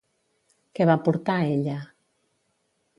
Què va portar ella?